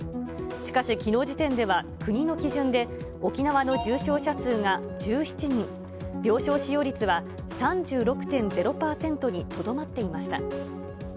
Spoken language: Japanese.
しかし、きのう時点では、国の基準で沖縄の重症者数が１７人、病床使用率は３６．０％にとどまっていました。